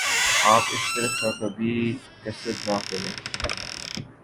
آپ اس طرف کا کبھی قصد نہ کریں